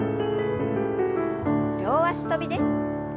両脚跳びです。